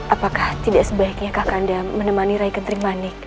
apakah tidak sebaiknya kakanda menemani regen tringmanik